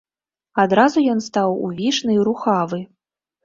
Адразу ён стаў увішны і рухавы.